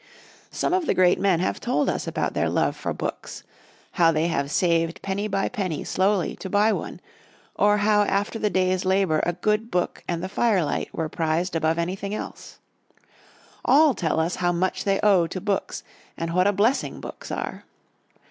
Some of the great men have told us about their love for books; how they have saved penny by penny slowly to buy one, or how after the day's labor a good book and the firelight were prized above anything else. All tell us how much they owe to books and what a blessing books are.